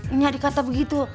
ini gak dikata begitu